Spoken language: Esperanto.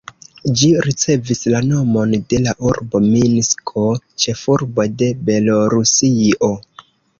Ĝi ricevis la nomon de la urbo Minsko, ĉefurbo de Belorusio.